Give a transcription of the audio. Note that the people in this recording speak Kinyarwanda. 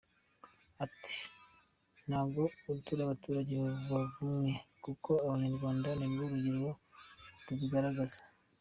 Ati “Ntago turi abaturage bavumwe, kuko Abanyarwanda ni rwo rugero rubigaragaza.